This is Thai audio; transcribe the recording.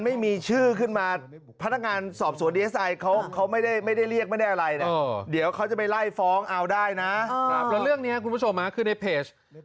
แล้วเรื่องนี้คุณผู้ชมคือในเพจ